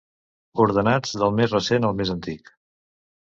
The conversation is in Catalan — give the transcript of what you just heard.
Ordenats del més recent al més antic.